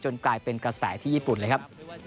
กลายเป็นกระแสที่ญี่ปุ่นเลยครับ